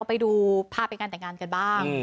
ไปดูภาพไปงานแต่งงานกันบ้าง